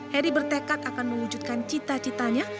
heri bertekad akan mewujudkan cita citanya